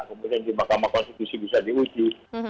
kemudian di mahkamah konstitusi bisa diuji